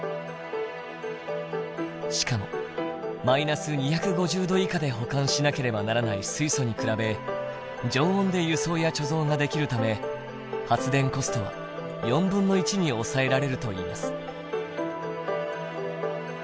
しかも−２５０℃以下で保管しなければならない水素に比べ常温で輸送や貯蔵ができるため発電コストは1/4に抑えられるといいます。